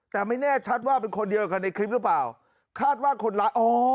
แต่ไม่แน่ชัดว่าเป็นคนเดียวกันในคลิปหรือเปล่าคาดว่าคนร้ายอ๋อ